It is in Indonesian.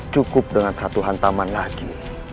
cukup dengan satu hantaman lagi